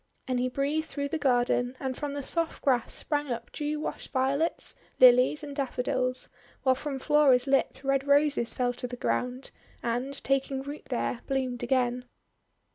And he breathed through the garden, and from the soft grass sprang up dew washed Violets, Lilies, and Daffodils; while from Flora's lips Red Roses fell to the ground, and, taking root there, bloomed again.